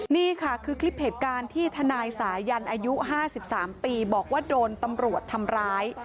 นี่ค่ะคือคลิปเหตุการณ์ที่ทนายสายันอายุ๕๓ปีบอกว่าโดนตำรวจทำร้าย